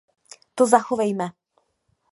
To zachovejme.